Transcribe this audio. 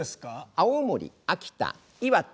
青森秋田岩手